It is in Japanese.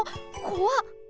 こわっ！